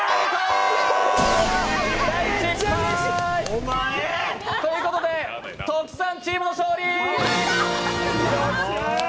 大失敗。ということでトキさんチームの勝利。